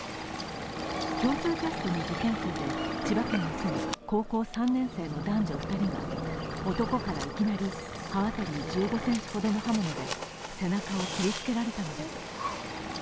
共通テストの受験生で千葉県に住む高校３年生の男女２人が男からいきなり刃渡り１５ｃｍほどの刃物で背中を切りつけられたのです。